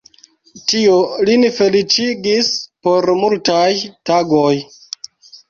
Tio lin feliĉigis por multaj tagoj.